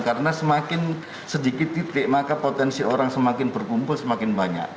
karena semakin sedikit titik maka potensi orang semakin berkumpul semakin banyak